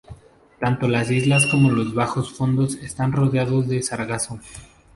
Tanto las islas como los bajos fondos están rodeados de sargazos.